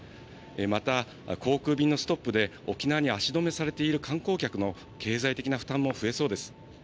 また航空便のストップで、沖縄に足止めされている観光客の経済的な負担も増えそうです。